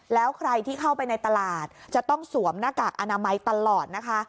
แล้วใครที่เข้าไปในตลาดจะต้องสวมหน้ากากอนามัยตลอดนะคะ